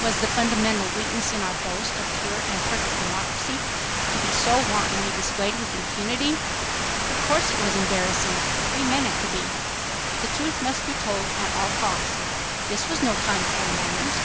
Was the fundamental weakness in our boast of pure and perfect democracy to be so wantonly displayed with impunity? Of course it was embarrassing. We meant it to be. The truth must be told at all costs. This was no time for manners.